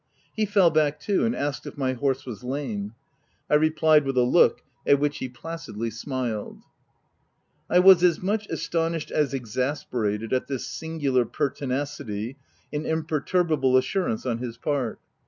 He fell back too, and asked if my horse was lame. I replied, with a look — at which he placidly smiled. I was as much astonished as exasperated at this singular pertinacity and imperturbable as OF WILDFELL HALL 237 surance on his part.